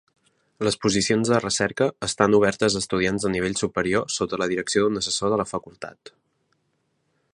Les posicions de recerca estan obertes a estudiants de nivell superior sota la direcció d'un assessor de la facultat.